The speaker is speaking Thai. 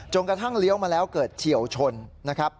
กระทั่งเลี้ยวมาแล้วเกิดเฉียวชนนะครับ